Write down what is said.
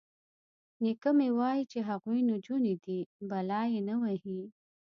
_نيکه مې وايي چې هغوی نجونې دي، بلا يې نه وهي.